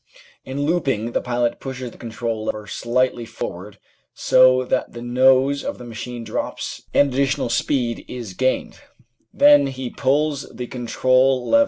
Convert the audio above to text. In looping the pilot pushes the control lever slightly for ward so that the nose of the machine drops and additional speed A COMPARISON IN SIZES SHOWING THE I t OOO H.P.